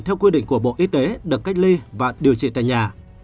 theo quy định của bộ y tế được cách ly và điều trị tại nhà